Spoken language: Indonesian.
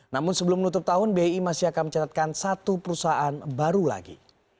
namun sebelum menutup tahun bi masih akan mencatatkan satu perusahaan baru lagi